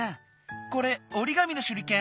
これおりがみのしゅりけん？